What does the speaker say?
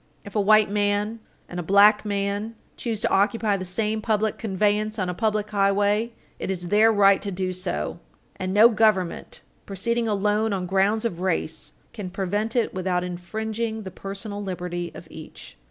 1 Bl.Com. *134. If a white man and a black man choose to occupy the same public conveyance on a public highway, it is their right to do so, and no government, proceeding alone on grounds of race, can prevent it without infringing the personal liberty of each.